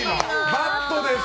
バッドです。